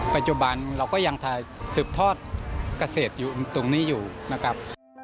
ปัจจุบันเราก็ยังถ่ายสืบทอดเกษตรอยู่ตรงนี้อยู่นะครับ